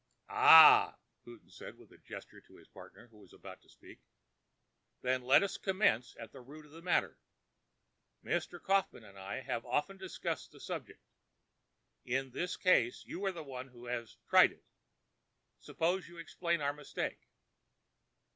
"Ah!" Houghton made a gesture to his partner, who was about to speak. "Then let us commence at the root of the matter. Mr. Kaufmann and I have often discussed the subject. In this case you are the one who has 'tried it.' Suppose you explain our mistake."